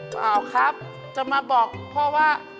เปล่าครับจะมาบอกพ่อว่า